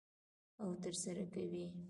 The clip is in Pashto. او ترسره کوي یې.